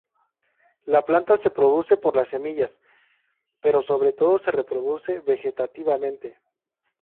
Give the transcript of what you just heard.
La planta se produce por las semillas, pero sobre todo se reproduce vegetativamente.